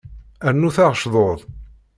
Rrnut-aɣ ccḍuḍ.